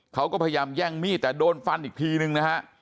เขาก็พยายามแย่งมีดแต่โดนฟันอีกทีนึงนะฮะ